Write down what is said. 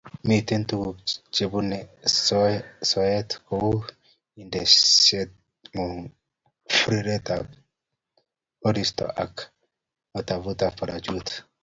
Mitei tuguuk chebunei soeet kou indegeisyek, kutetab koristo ako maatab parachute.